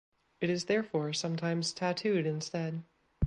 It is therefore sometimes tattooed instead.